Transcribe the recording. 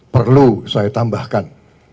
perlu saya tambahkan